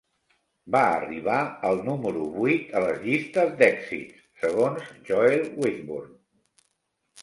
Va arribar al número vuit a les llistes d'èxits, segons Joel Whitburn.